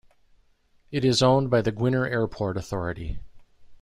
It is owned by the Gwinner Airport Authority.